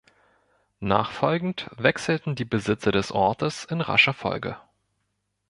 Nachfolgend wechselten die Besitzer des Ortes in rascher Folge.